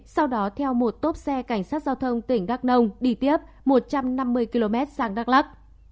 sau đó theo một tốp xe cảnh sát giao thông tỉnh đắk nông đi tiếp một trăm năm mươi km sang đắk lắc